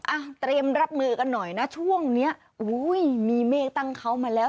อ่ะเตรียมรับมือกันหน่อยนะช่วงเนี้ยอุ้ยมีเมฆตั้งเขามาแล้ว